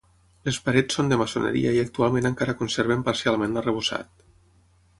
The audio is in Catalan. Les parets són de maçoneria i actualment encara conserven parcialment l'arrebossat.